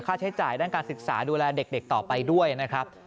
ใช้จ่ายด้านการศึกษาดูแลเด็กต่อไปด้วยนะครับ